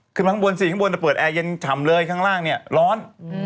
คือมาข้างบนสิข้างบนจะเปิดแอร์เย็นฉ่ำเลยข้างล่างเนี่ยร้อน